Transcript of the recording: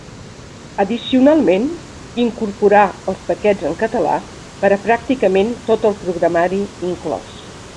Addicionalment, incorporà els paquets en català per a pràcticament tot el programari inclòs.